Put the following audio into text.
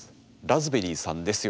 ラズベリーさんです。